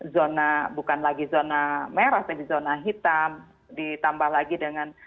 zona bukan lagi zona merah tadi zona hitam ditambah lagi dengan